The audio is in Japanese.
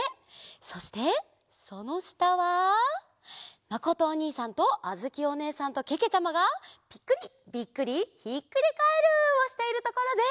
そしてそのしたはまことおにいさんとあづきおねえさんとけけちゃまが「ぴっくり！ビックリ！ひっくりカエル！」をしているところです。